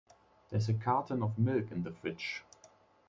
There’s a carton of milk in the fridge.